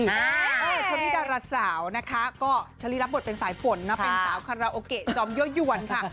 ช่วงนี้ดาราสาวนะคะก็ชะลีรับบทเป็นสายฝนนะเป็นสาวคาราโอเกะจอมยั่วยวนค่ะ